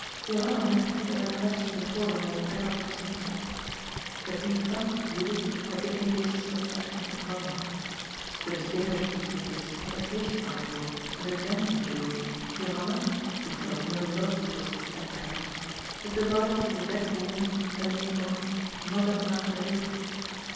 Johanna had kept the recollection before him as an ever present fact The de funct Judith had been Elias's conception of ^^ Mamma." To distinguish between this imitation article and the genuine jewel, Johanna (who felt no love towards the step parent) had devised for the dead woman the name of *^ Mother Mar garetha."